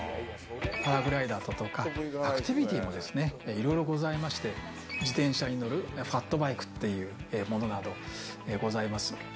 パラグライダーとか、アクティビティーもいろいろございまして、自転車に乗るファットバイクっていうものなどございます。